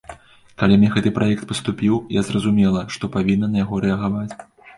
Калі мне гэты праект паступіў, я зразумела, што павінна на яго рэагаваць.